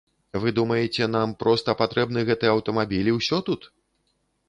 Вы думаеце, нам проста патрэбны гэты аўтамабіль і ўсе тут?